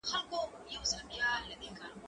زه کتابتوننۍ سره وخت تېروولی دی؟!